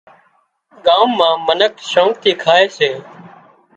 ڳام مان منک شوق ٿِي کائي سي